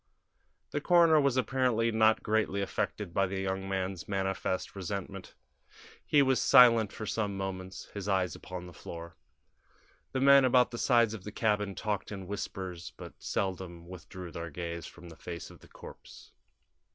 The coroner was apparently not greatly affected by the young man's manifest resentment. He was silent for some moments, his eyes upon the floor. The men about the sides of the cabin talked in whispers, but seldom withdrew their gaze from the face of the corpse.